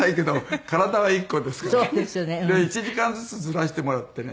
で１時間ずつずらしてもらってね